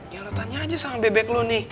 ya lo tanya aja sama bebek lu nih